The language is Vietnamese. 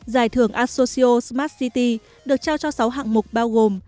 giải thưởng asocio smart city được trao cho sáu hạng mục bao gồm